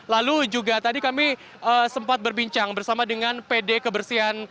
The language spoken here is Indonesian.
lalu juga tadi kami sempat berbincang bersama dengan pd kebersihan